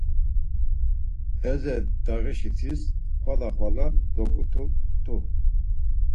Eze ndağişi tis xvala xvala dogutut̆u.